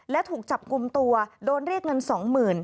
และถูกจับกุมตัวโดนเรียกเงิน๒๐๐๐๐บาท